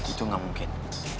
itu gak mungkin